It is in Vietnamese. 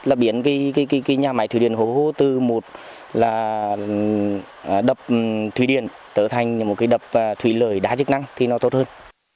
là biến nhà máy thủy điện hồ hồ từ một đập thủy điện trở thành một đập thủy lởi đá chức năng thì nó tốt hơn